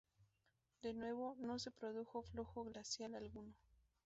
De nuevo, no se produjo flujo glaciar alguno.